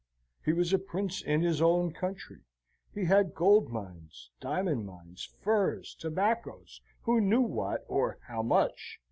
He was a prince in his own country. He had gold mines, diamond mines, furs, tobaccos, who knew what, or how much?